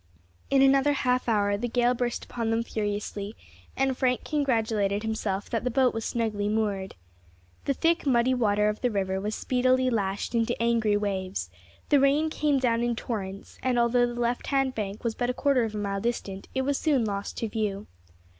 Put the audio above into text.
In another half hour the gale burst upon them furiously, and Frank congratulated himself that the boat was snugly moored. The thick muddy water of the river was speedily lashed into angry waves; the rain came down in torrents, and although the left hand bank was but a quarter of a mile distant it was soon lost to view.